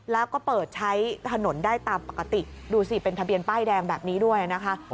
แล้วก็เปิดใช้ถนนได้ตามปกติดูสิเป็นทะเบียนป้ายแดงแบบนี้ด้วยนะคะ